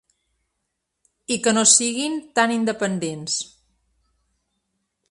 I que no siguin tan independents.